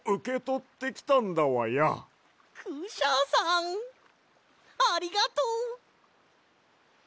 クシャさんありがとう！